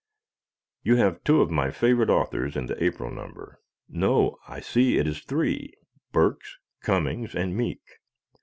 You have two of my favorite authors in the April number; no, I see it is three Burks, Cummings and Meek.